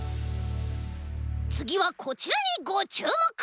つぎはこちらにごちゅうもく！